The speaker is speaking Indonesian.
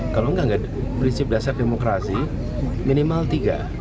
kalau enggak enggak prinsip dasar demokrasi minimal tiga